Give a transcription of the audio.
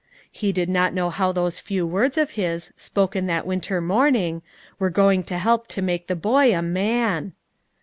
He did not know how those few words of his, spoken that winter morning, were going to help to make the boy a man.